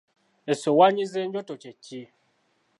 Ensowaanyi z'enjoto kye kki?